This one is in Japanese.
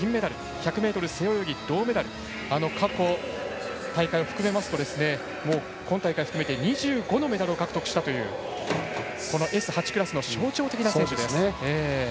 １００ｍ背泳ぎ銅メダル過去大会を含めますと今大会含めて２５のメダルを獲得したというこのＳ８クラスの象徴的な選手です。